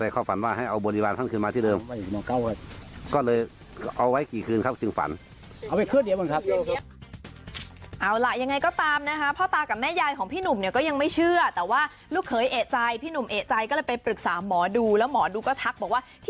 ขอบคุณครับขอบคุณครับ